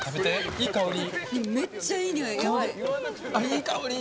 いい香り。